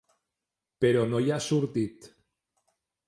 Però no hi ha sortit.